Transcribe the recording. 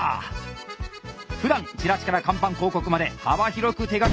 ふだんチラシから看板広告まで幅広く手がけ